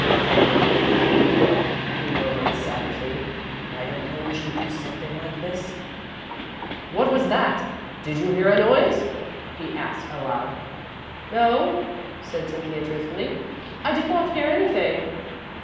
"Hang Patty!" he murmured savagely. "Might have known she'd do something like this. What was that? Did you hear a noise?" he asked aloud. "No," said Cynthia, truthfully; "I did not hear anything."